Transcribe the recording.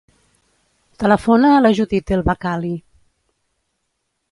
Telefona a la Judith El Bakkali.